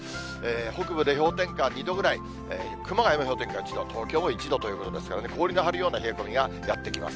北部で氷点下２度くらい、熊谷も氷点下１度、東京も１度ということですからね、氷の張るような冷え込みがやって来ます。